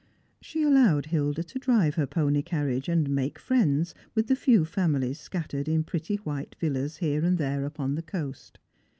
She allowed Hilda to drive her pony carriage, and make friends with the few families scattered in pretty white villas here anc" . there upon the coast.